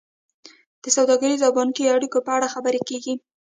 د سوداګریزو او بانکي اړیکو په اړه خبرې کیږي